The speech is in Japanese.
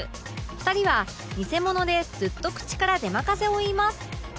２人はニセモノでずっと口からでまかせを言います